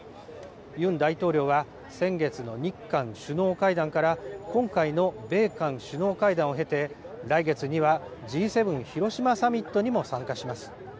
ユン大統領は先月の日韓首脳会談から今回の米韓首脳会談を経て、来月にはＧ７広島サミットにも参加します。